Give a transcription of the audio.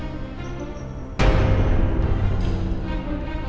nanti kita ke rumah